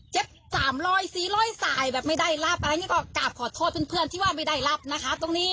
เจ็บ๓๔รอยสายแบบไม่ได้ลาบอะไรอย่างนี้ก็กราบขอโทษเพื่อนที่ว่าไม่ได้ลาบนะคะตรงนี้